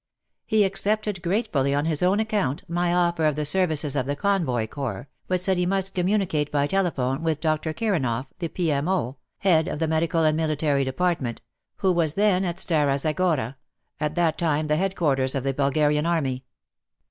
He accepted gratefully, on his own account, my offer of the services of the Convoy Corps, but said he must communicate by telephone with Dr. Kiranoff, the P.M.O. — head of the medical and military department — who was then at Stara Z agora, at that time the headquarters of the Bulgarian army.